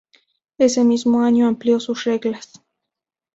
Ese mismo año amplió sus reglas.